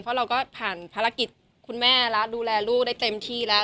เพราะเราก็ผ่านภารกิจคุณแม่แล้วดูแลลูกได้เต็มที่แล้ว